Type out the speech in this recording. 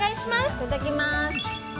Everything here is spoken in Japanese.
いただきます。